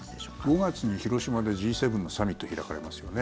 ５月に広島でＧ７のサミット開かれますよね。